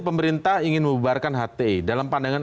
pemerintah ingin membubarkan hti dalam pandangan